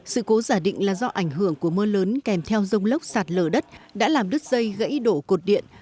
sự cố giả định là do ảnh hưởng của mưa lớn kèm theo rông lốc sạt lở đất đã làm đứt dây gãy đổ cột điện